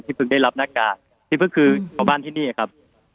พี่พลึกได้รับหน้ากากพี่พลึกคือข่าวบ้านที่นี่ครับ